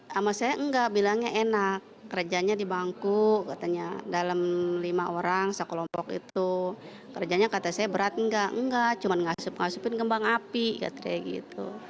smp nggak bilangnya enak kerjanya di bangku katanya dalam lima orang sekelompok itu kerjanya katanya saya berat nggak nggak cuma ngasip ngasipin gembang api katanya gitu